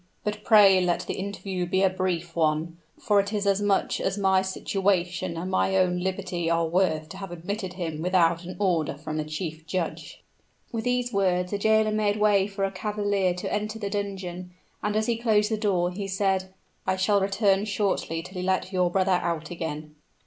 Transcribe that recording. "But pray let the interview be a brief one for it is as much as my situation and my own liberty are worth to have admitted him without an order from the chief judge." "With these words the jailer made way for a cavalier to enter the dungeon;" and as he closed the door, he said, "I shall return shortly to let your brother out again."